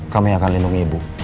kami akan lindungi ibu